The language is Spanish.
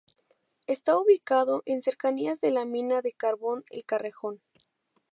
Está ubicado en cercanías de la mina de carbón El Cerrejón.